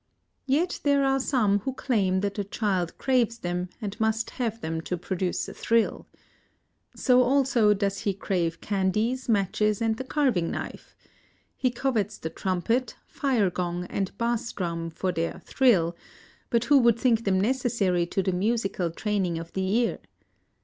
Yet there are some who claim that the child craves them, and must have them to produce a thrill. So also does he crave candies, matches, and the carving knife. He covets the trumpet, fire gong, and bass drum for their "thrill"; but who would think them necessary to the musical training of the ear?